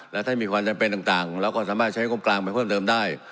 และถ้ามีความจำเป็นต่างเราก็สามารถใช้งบกลางไปเพิ่มเติมได้